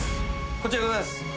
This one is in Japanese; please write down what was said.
こちらでございます。